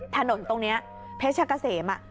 ถนนตรงนี้เพชรกะเสม